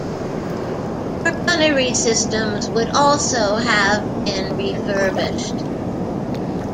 Her gunnery systems would also have been refurbished.